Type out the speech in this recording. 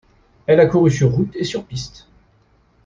Elle a couru sur route et sur piste.